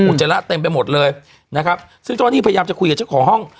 อุจจระเต็มไปหมดเลยนะครับซึ่งตอนนี้พยายามจะคุยกับช่องของห้อง